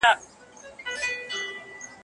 په دې ټولنه کي د تاريخ لوستونکي لږ دي.